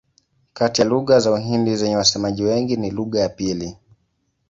Kati ya lugha za Uhindi zenye wasemaji wengi ni lugha ya pili.